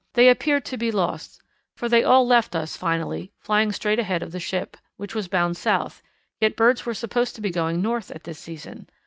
They appeared to be lost, for they all left us finally, flying straight ahead of the ship, which was bound South, yet birds were supposed to be going North at this season.